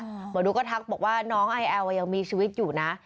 หมอดูก็ทักบอกว่าน้องไอแอลยังมีชีวิตอยู่นะ